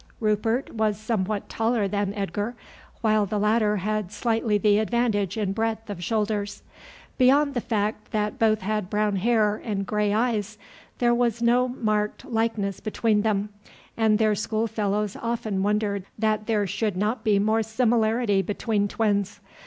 Rupert was somewhat taller than Edgar, while the latter had slightly the advantage in breadth of shoulders. Beyond the fact that both had brown hair and gray eyes there was no marked likeness between them, and their school fellows often wondered that there should not be more similarity between twins.